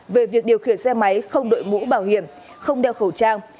về việc điều khiển xe máy không đội mũ bảo hiểm không đeo khẩu trang